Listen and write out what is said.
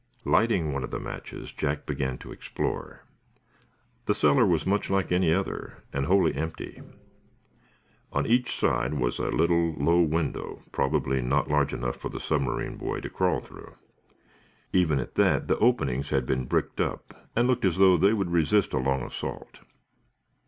Lighting one of the matches, Jack began to explore. The cellar was much like any other, and wholly empty. On each side was a little, low window, probably not large enough for the submarine boy to crawl through. Even at that the openings had been bricked up and looked as though they would resist a long assault.